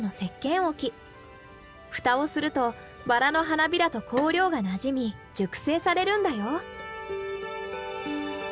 蓋をするとバラの花びらと香料がなじみ熟成されるんだよ。